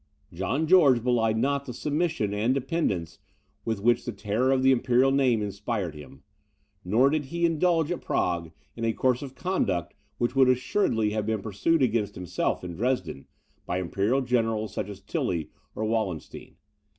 John George belied not the submission and dependence with which the terror of the imperial name inspired him; nor did he indulge at Prague, in a course of conduct which would assuredly have been pursued against himself in Dresden, by imperial generals, such as Tilly or Wallenstein.